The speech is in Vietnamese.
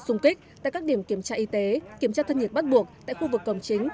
xung kích tại các điểm kiểm tra y tế kiểm tra thân nhiệt bắt buộc tại khu vực cổng chính